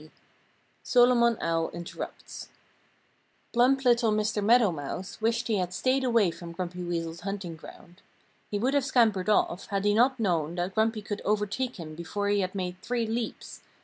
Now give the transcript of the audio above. V SOLOMON OWL INTERRUPTS Plump little Mr. Meadow Mouse wished he had stayed away from Grumpy Weasel's hunting ground. He would have scampered off, had he not known that Grumpy could overtake him before he had made three leaps.